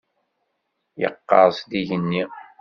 Yeqqers-d igenni.